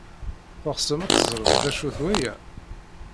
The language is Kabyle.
Teɣsem ad teẓrem d acu-t waya?